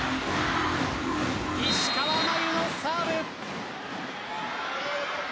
石川真佑のサーブ。